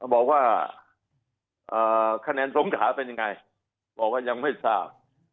บอกว่าคะแนนสงขาเป็นยังไงบอกว่ายังไม่ทราบ